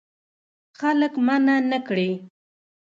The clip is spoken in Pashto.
خلک منع نه کړې.